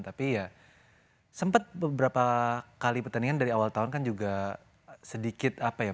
tapi ya sempat beberapa kali pertandingan dari awal tahun kan juga sedikit apa ya